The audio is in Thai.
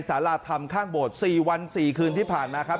สาราธรรมข้างโบสถ์๔วัน๔คืนที่ผ่านมาครับ